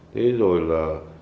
thế rồi là